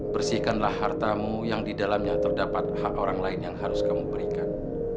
bersihkanlah hartamu yang di dalamnya terdapat hak orang lain yang harus kamu berikan